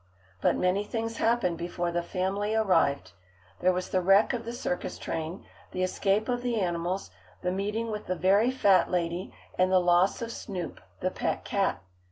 But many things happened before the family arrived. There was the wreck of the circus train, the escape of the animals, the meeting with the very fat lady, and the loss of Snoop, the pet cat.